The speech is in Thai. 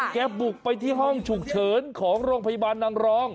บุกไปที่ห้องฉุกเฉินของโรงพยาบาลนางรอง